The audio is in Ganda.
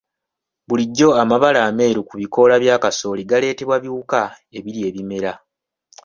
Bulijjo amabala ameeru ku bikoola bya kasooli galeetebwa biwuka ebirya ebimera.